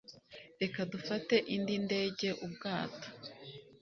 reka dufate indi ndege-ubwato